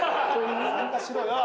参加しろよ！